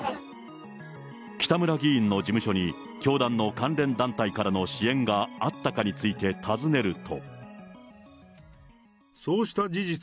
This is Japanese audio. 北村議員の事務所に教団の関連団体からの支援があったかについて尋ねると。